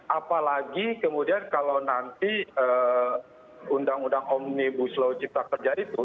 apalagi kemudian kalau nanti undang undang omnibus law cipta kerja itu